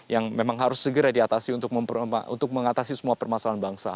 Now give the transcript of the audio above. yang memang harus segera diatasi untuk mengatasi semua permasalahan bangsa